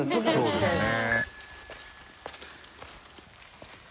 そうですよね。